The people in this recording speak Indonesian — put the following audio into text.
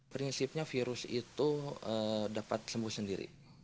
prinsipnya virus itu dapat sembuh sendiri